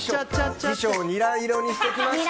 衣装をニラ色にしてきました。